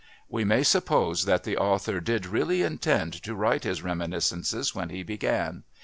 We may suppose that the author did really intend to write his reminiscences when he began.